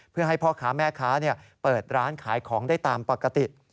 เพื่อให้พ่อค้าแม่ค้าเปิดร้านขายของได้ตามปกติ